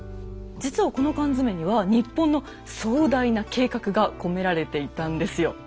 実はこの缶詰には日本の壮大な計画が込められていたんですよ。